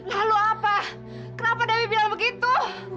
lalu apa kenapa dewi bilang begitu